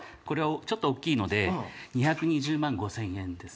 ちょっと大きいので２２０万５０００円です。